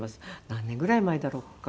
何年ぐらい前だろうか。